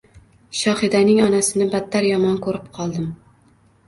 Shohidaning onasini battar yomon ko‘rib qoldim